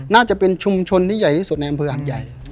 น่าจะเป็นชุมชนที่สุดแน่นสนิทธิภาคใหญ่